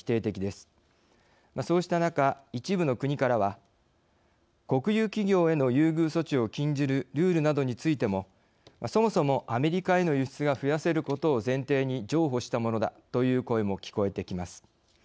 そうした中一部の国からは国有企業への優遇措置を禁じるルールなどについてもそもそもアメリカへの輸出が増やせることを前提に譲歩したものだという声も聞こえてきます。